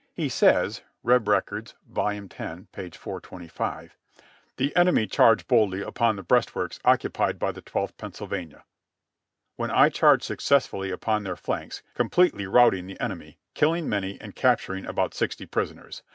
He says (Reb. Records, Vol. lo, p. 425) : ''The enemy charged boldly upon the breastworks occupied by the Twelfth Pennsylvania, when I charged successfully upon their flanks, com pletely routing the enemy, killing many and capturing about 60 prisoners.